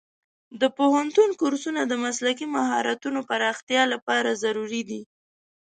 د پوهنتون کورسونه د مسلکي مهارتونو پراختیا لپاره ضروري دي.